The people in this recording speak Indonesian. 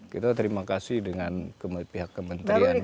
kita terima kasih dengan pihak kementerian